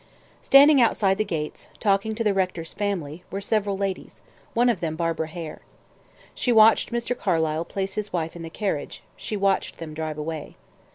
Standing outside the gates, talking to the rector's family, were several ladies, one of them Barbara Hare. She watched Mr. Carlyle place his wife in the carriage; she watched him drive away.